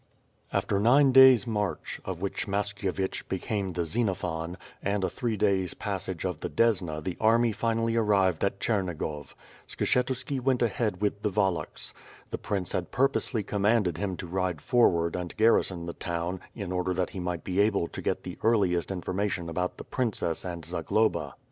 After nine days' march, of which Mashkyevich becani6 the Xenophon, and a three days' passage of the Desna the army finally arrived at Chernigov. Skshetuski went ahead with the Wallachs. The prince had purposely commanded him to ride forward and garrison the town, in order that he might be able to get the earliest information about the prin cess and Zagloba.